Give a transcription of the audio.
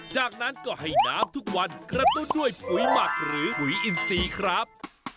จากนั้นก็ให้น้ำทุกวันกระตุ้นด้วยปุ๋ยหมักหรือปุ๋ยอินซีครับ